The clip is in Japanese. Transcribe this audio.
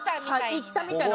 行ったみたいな。